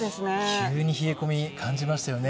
急に冷え込み、感じましたよね。